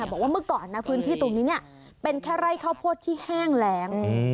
บอกว่าเมื่อก่อนนะพื้นที่ตรงนี้เป็นแค่ไร่ข้าวโพดที่แห้งแรง